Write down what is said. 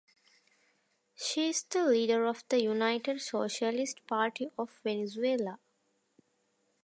She is the leader of the United Socialist Party of Venezuela.